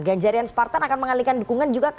ganjarian spartan akan mengalihkan dukungan juga ke